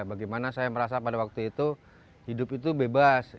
bagaimana saya merasa pada waktu itu hidup itu bebas